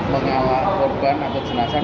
mengalah korban atau jenazah